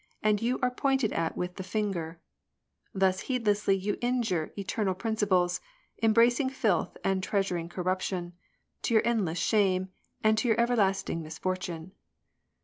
And you are pointed at with the finger. Thus heedlessly you injure eternal principles, Embracing filth and treasuring corruption, To your endless shame And to your everlasting misfortune.